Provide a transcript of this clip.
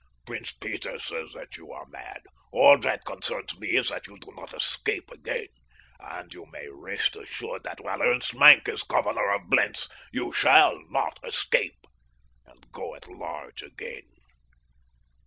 Prince Peter says that you are mad. All that concerns me is that you do not escape again, and you may rest assured that while Ernst Maenck is governor of Blentz you shall not escape and go at large again.